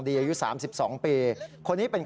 เพราะถูกทำร้ายเหมือนการบาดเจ็บเนื้อตัวมีแผลถลอก